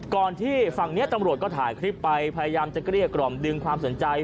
ก่อนที่ฝั่งนี้ตำรวจก็ถ่ายคลิปไปพยายามจะเกลี้ยกล่อมดึงความสนใจ